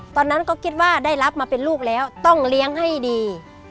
ตอนนั้นก็คิดว่าได้รับมาเป็นลูกแล้วต้องเลี้ยงให้ดี